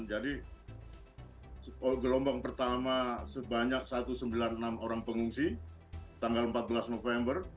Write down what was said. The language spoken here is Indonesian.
jadi gelombang pertama sebanyak satu ratus sembilan puluh enam orang pengungsi tanggal empat belas november